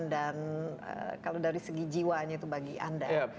dan kalau dari segi jiwanya itu bagi anda